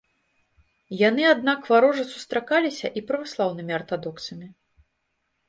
Яны аднак варожа сустракаліся і праваслаўнымі артадоксамі.